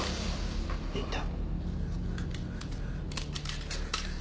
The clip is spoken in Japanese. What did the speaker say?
いいんだ。